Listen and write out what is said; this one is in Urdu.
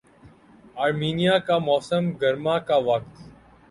آرمینیا کا موسم گرما کا وقت